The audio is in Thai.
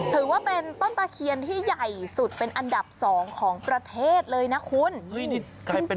ถือว่าเป็นต้นตะเคียนที่ใหญ่สุดเป็นอันดับ๒ของประเทศเลยนะคุณ